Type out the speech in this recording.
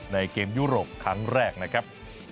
ในเกมยุโรปครั้งแรกนะครับ